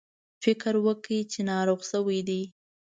فکر وکړ چې ناروغ شوي دي.